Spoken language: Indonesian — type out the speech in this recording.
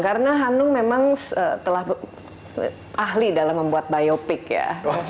karena hanung memang setelah ahli dalam membuat biopik ya